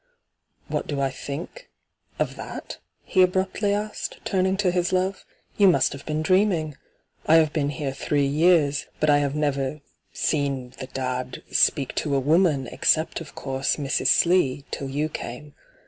'What do I think — of that?' he abruptly asked, turning to his love. ' You must have been dreaming ! I have been here three years, but I have never — seen — the dad — speak to a woman, except, of courae, Mrs. Slee, till you came.